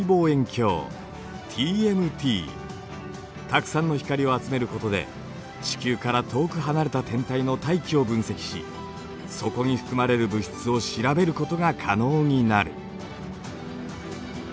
たくさんの光を集めることで地球から遠く離れた天体の大気を分析しそこに含まれる物質を調べることが可能になる。